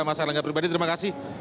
mas erlangga pribadi terima kasih